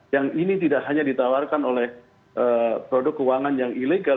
yang ini tidak hanya ditawarkan oleh produk keuangan yang ilegal